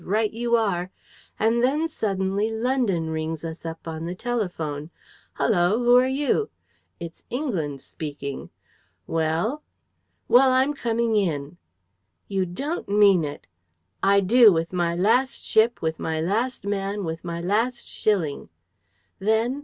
Right you are! And then suddenly London rings us up on the telephone. 'Hullo! Who are you?' 'It's England speaking.' 'Well?' 'Well, I'm coming in.' 'You don't mean it?' 'I do with my last ship, with my last man, with my last shilling.' Then